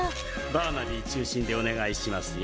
バーナビー中心でお願いしますよ。